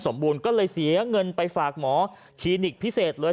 บูรณก็เลยเสียเงินไปฝากหมอคลินิกพิเศษเลย